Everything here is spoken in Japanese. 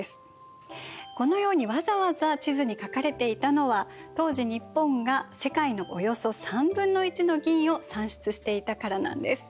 このようにわざわざ地図に書かれていたのは当時日本が世界のおよそ1/3の銀を産出していたからなんです。